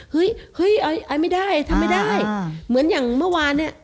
เฮ้ยเฮ้ยไม่ได้ทำไม่ได้เหมือนอย่างเมื่อวานเนี่ย